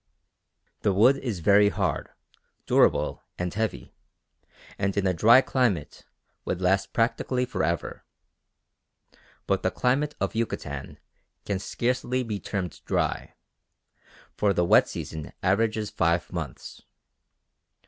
The wood is very hard, durable, and heavy, and in a dry climate would last practically for ever. But the climate of Yucatan can scarcely be termed dry; for the wet season averages five months.